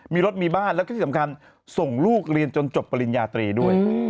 มีรถมีบ้านแล้วก็ที่สำคัญส่งลูกเรียนจนจบปริญญาตรีด้วย